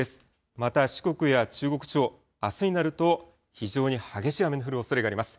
また四国や中国地方、あすになると、非常に激しい雨の降るおそれがあります。